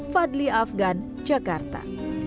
fadli afghan jakarta